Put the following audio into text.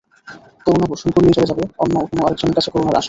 করুণা বর্ষণ করলেই চলে যাবে অন্য কোনো আরেকজনের কাছে করুণার আশায়।